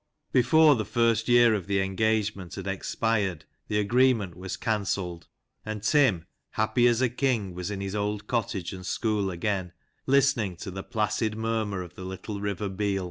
Before the first year of the engagement had expired the agreement was cancelled, and Tim, happy 252 LANCASHIRE WORTHIES. as a king, was in his old cottage and school again, listening to the placid murmur of the little river Beal.